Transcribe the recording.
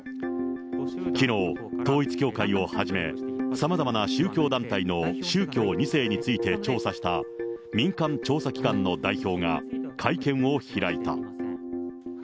きのう、統一教会をはじめ、さまざまな宗教団体の宗教２世について調査した民間調査機関の代表が、会見を開いた。